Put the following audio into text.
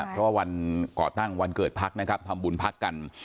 เพราะวันก่อตั้งวันเกิดพรรคทำบุญพักกัน